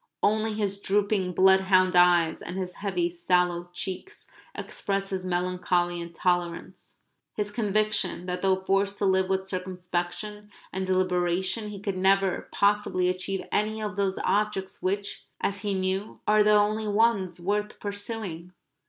Only his drooping bloodhound eyes and his heavy sallow cheeks expressed his melancholy tolerance, his conviction that though forced to live with circumspection and deliberation he could never possibly achieve any of those objects which, as he knew, are the only ones worth pursuing.